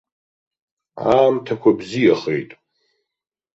Аамҭақәа бзиахеит.